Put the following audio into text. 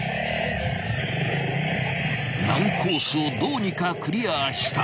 ［難コースをどうにかクリアした］